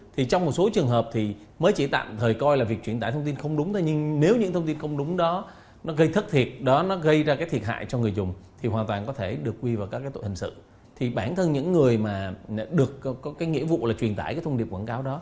truyền tải cái thông điệp quảng cáo đó